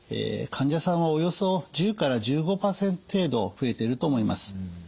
患者さんはおよそ１０から１５％程度増えてると思います。